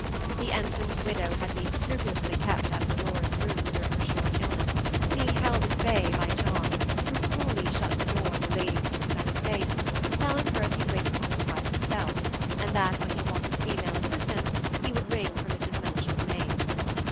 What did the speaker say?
The ensign's widow had been scrupulously kept out of Aurora's room during her short illness, being held at bay by John, who coolly shut the door in the lady's sympathetic face, telling her that he'd wait upon his wife himself, and that when he wanted female assistance he would ring for Mrs. Mellish's maid.